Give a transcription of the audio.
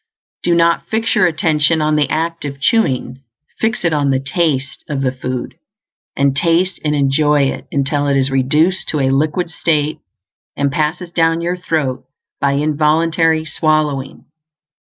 Do not fix your attention on the act of chewing; fix it on the TASTE of the food; and taste and enjoy it until it is reduced to a liquid state and passes down your throat by involuntary swallowing.